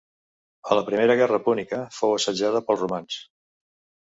A la Primera Guerra Púnica fou assetjada pels romans.